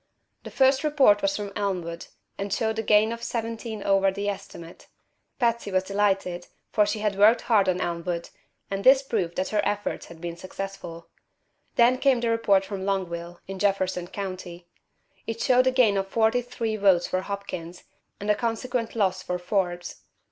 The first report was from Elmwood, and showed a gain of seventeen over the estimate. Patsy was delighted, for she had worked hard in Elmwood, and this proved that her efforts had been successful. Then came a report from Longville, in Jefferson County. It showed a gain of forty three votes for Hopkins, and a consequent loss for Forbes.